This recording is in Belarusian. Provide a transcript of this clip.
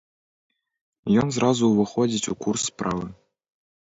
Ён зразу ўваходзіць у курс справы.